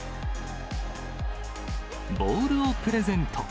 ボールをプレゼント。